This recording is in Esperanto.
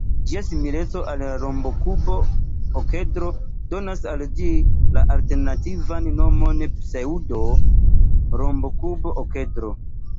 Ĝia simileco al la rombokub-okedro donas al ĝi la alternativan nomon pseŭdo-rombokub-okedro.